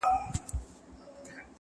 له میو چي پرهېز کوم پر ځان مي ژړا راسي-